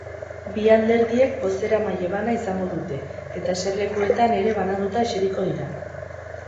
Bi alderdiek bozeramaile bana izango dute, eta eserlekuetan ere bananduta eseriko dira.